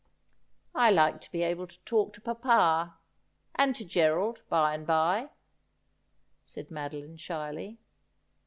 ' I like to be able to talk to papa — and to Gerald, by and by,' said Madoline shyly.